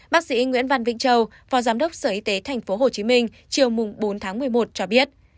bác sĩ nguyễn văn vĩnh châu phó giám đốc sở y tế tp hcm chiều bốn tháng một mươi một cho biết